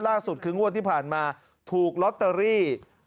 ล่าสุดคืองวดที่ผ่านมาถูกลอตเตอรี่